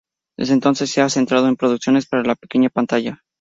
Desde entonces se ha centrado en producciones para la pequeña pantalla.